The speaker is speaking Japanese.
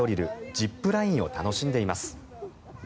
ジップラインを楽しんでいます。